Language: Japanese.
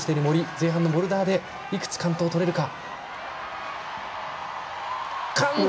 前半のボルダーでいくつ完登をとれるか。